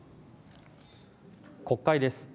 国会です。